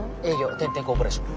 天・天コーポレーション。